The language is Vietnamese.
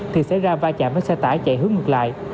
thì xảy ra va chạm với xe tải chạy hướng ngược lại